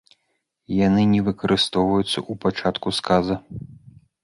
Яны не выкарыстоўваюцца ў пачатку сказа.